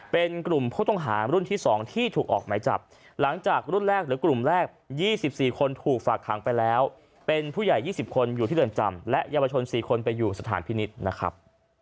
เป็นกลุ่มผู้ต้องหารุ่นที่๒ที่ถูกออกหมายจับหลังจากรุ่นแรกหรือกลุ่มแรก๒๔คนถูกฝากขังไปแล้วเป็นผู้ใหญ่๒๐คนอยู่ที่เรือนจำและเยาวชน๔คนไปอยู่สถานพินิษฐ์นะครับ